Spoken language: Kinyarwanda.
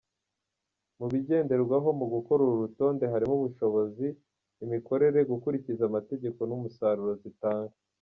Mu bigenderwaho mu gukora uru rutonde harimo ubushobozi, imikorere, gukurikiza amategeko n’umusaruro zitanga.